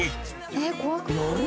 えっ怖くない？